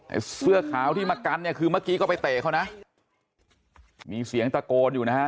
เสื้อขาวที่มากันเนี่ยคือเมื่อกี้ก็ไปเตะเขานะมีเสียงตะโกนอยู่นะฮะ